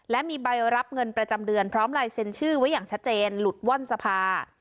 และมีใบรับเงินประจำเดือนพร้อมลายเซ็นชื่อไว้อย่างชัดเจนหลุดว่อนสภา